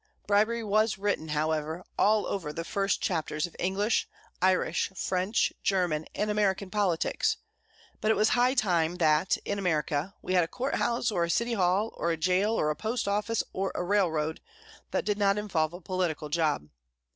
Bribery was written, however, all over the first chapters of English, Irish, French, German, and American politics; but it was high time that, in America, we had a Court House or a City Hall, or a jail, or a post office, or a railroad, that did not involve a political job.